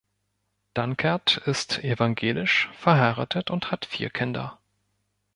Danckert ist evangelisch, verheiratet und hat vier Kinder.